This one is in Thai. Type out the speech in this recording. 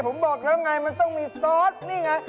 ผมบอกแล้วไงมันต้องมีซอสนี่ไง